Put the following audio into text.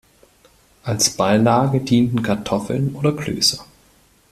Als Beilage dienten Kartoffeln oder Klöße.